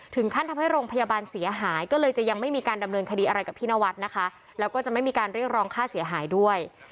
ทำให้โรงพยาบาลเสียหายก็เลยจะยังไม่มีการดำเนินคดีอะไรกับพี่นวัดนะคะแล้วก็จะไม่มีการเรียกร้องค่าเสียหายด้วย